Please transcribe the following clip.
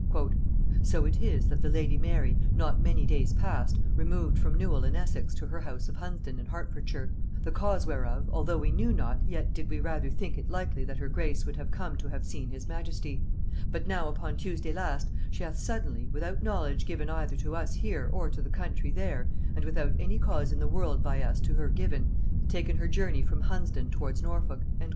"So it is, that the lady Mary, not many days past, removed from Newhall in Essex to her house of Hunsdon in Hertfordshire, the cause whereof, although we knew not, yet did we rather think it likely that her grace would have come to have seen his majesty; but now upon Tuesday last, she hath suddenly, without knowledge given either to us here or to the country there, and without any cause in the world by us to her given, taken her journey from Hunsdon towards Norfolk" &c.